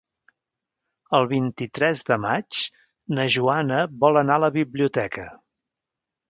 El vint-i-tres de maig na Joana vol anar a la biblioteca.